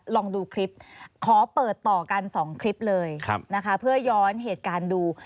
ลองดูคลิปขอเปิดต่อกัน๒คลิปเลยนะคะเพื่อย้อนเหตุการณ์ดู